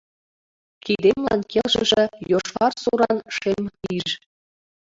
Кидемлан келшыше йошкар суран шем пиж